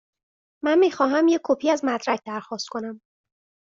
من می خواهم یک کپی از مدرک درخواست کنم.